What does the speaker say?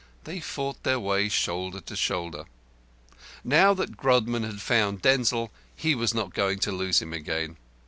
They fought their way shoulder to shoulder. Now that Grodman had found Denzil he was not going to lose him again.